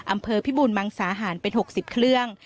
อำเภอพิบูรมังสาหารเป็น๖๐เครื่อง